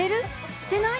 捨てない？